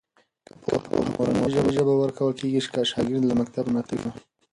که پوهه په مورنۍ ژبه ورکول کېږي، شاګرد له مکتب نه تښتي نه.